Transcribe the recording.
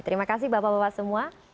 terima kasih bapak bapak semua